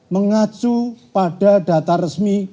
mengacu pada data resmi